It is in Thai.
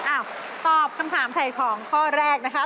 ตอบคำถามถ่ายของข้อแรกนะคะ